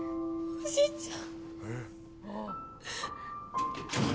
おじいちゃん！